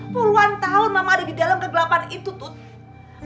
puluhan tahun mama ada di dalam kegelapan itu tuh